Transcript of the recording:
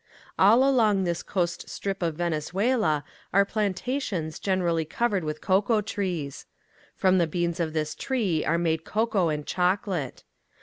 All along this coast strip of Venezuela are plantations generally covered with cocoa trees. From the beans of this tree are made cocoa and chocolate.